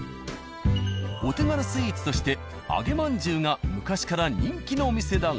お手軽スイーツとして揚げまんじゅうが昔から人気のお店だが。